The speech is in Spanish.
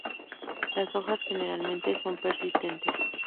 Las hojas generalmente son persistentes.